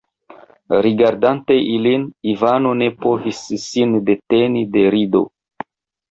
Rigardante ilin, Ivano ne povis sin deteni de rido.